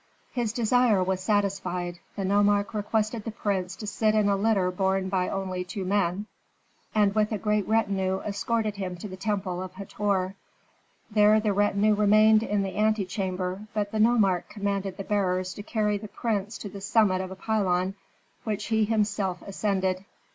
His desire was satisfied. The nomarch requested the prince to sit in a litter borne by only two men, and with a great retinue escorted him to the temple of Hator. There the retinue remained in the antechamber, but the nomarch commanded the bearers to carry the prince to the summit of a pylon, which he himself ascended.